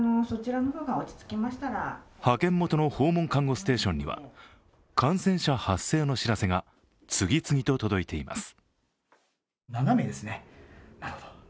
派遣元の訪問看護ステーションには感染者発生の知らせが次々と届いています。